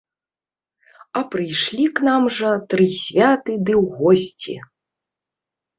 А прыйшлі к нам жа тры святы ды ў госці.